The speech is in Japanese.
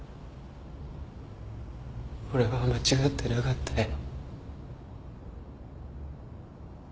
俺は間違ってなかったよ。